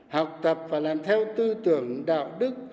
học tập và làm theo tư tưởng đạo đức